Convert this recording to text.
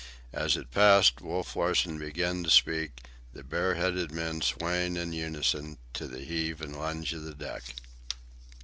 As it passed, Wolf Larsen began to speak, the bare headed men swaying in unison, to the heave and lunge of the deck.